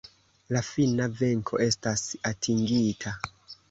La fina venko estas atingita!!